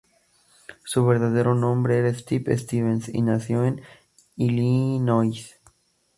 Su verdadero nombre era Steven Stevens, y nació en Illinois.